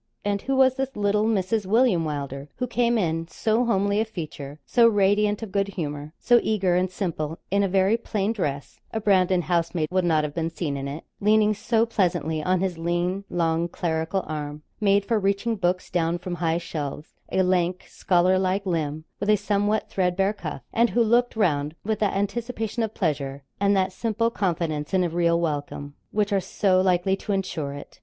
And who was this little Mrs. William Wylder who came in, so homely of feature, so radiant of goodhumour, so eager and simple, in a very plain dress a Brandon housemaid would not have been seen in it, leaning so pleasantly on his lean, long, clerical arm made for reaching books down from high shelves, a lank, scholarlike limb, with a somewhat threadbare cuff and who looked round with that anticipation of pleasure, and that simple confidence in a real welcome, which are so likely to insure it?